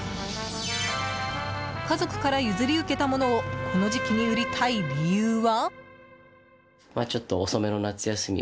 家族から譲り受けたものをこの時期に売りたい理由は？